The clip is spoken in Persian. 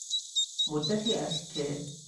مدتی است که...